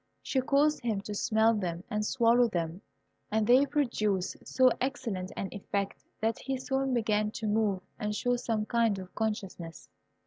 She caused him to smell them and swallow them, and they produced so excellent an effect that he soon began to move and show some kind of consciousness.